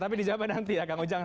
tapi dijawabkan nanti ya kang ujang